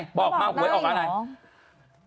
หนูบอกหวยออกอะไร